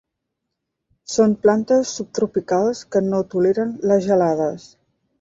Són plantes subtropicals que no toleren les gelades.